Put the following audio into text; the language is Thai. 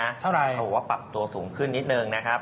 เขาบอกว่าปรับตัวสูงขึ้นนิดนึงนะครับ